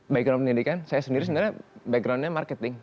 background pendidikan saya sendiri sebenarnya backgroundnya marketing